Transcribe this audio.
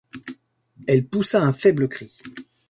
Elle poussa un faible cri.